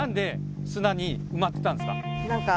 何か。